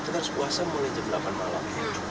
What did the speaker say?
terus puasa mulai jam delapan malam